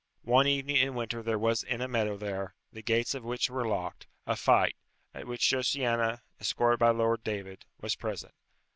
One evening in winter there was in a meadow there, the gates of which were locked, a fight, at which Josiana, escorted by Lord David, was present.